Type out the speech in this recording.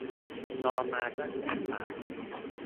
นอนมาตั้งแต่บ่าย